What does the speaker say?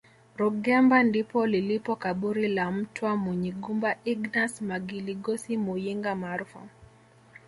Rugemba ndipo lilipo kaburi la mtwa Munyigumba Ignas Pangiligosi Muyinga maarufu